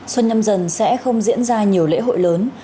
xuân nhâm dần sẽ không diễn ra nhiều lễ hội lớn